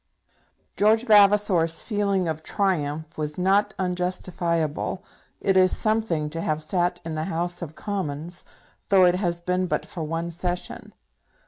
George Vavasor's feeling of triumph was not unjustifiable. It is something to have sat in the House of Commons, though it has been but for one session!